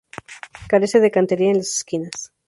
Carece de cantería en las esquinas.